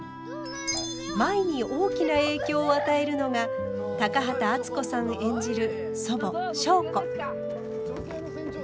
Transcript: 舞に大きな影響を与えるのが高畑淳子さん演じる祖母祥子。